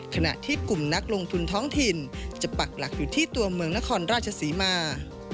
ขณะที่กลุ่มนักลงทุนท้องถิ่นจะปักหลักอยู่ที่ตัวเมืองนครราชศรีมา